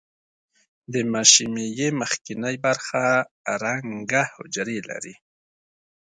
د مشیمیې مخکینۍ برخه رنګه حجرې لري.